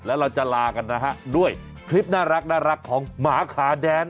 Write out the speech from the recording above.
แล้วเราจะลากันนะฮะด้วยคลิปน่ารักของหมาขาแดน